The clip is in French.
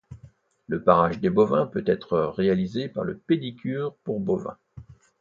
Le parage des bovins peut être réalisé par le pédicure pour bovins.